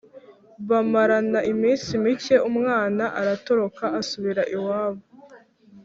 bamarana iminsi mike umwana, aratoroka asubira iwabo.